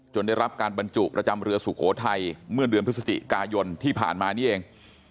ได้รับการบรรจุประจำเรือสุโขทัยเมื่อเดือนพฤศจิกายนที่ผ่านมานี่เอง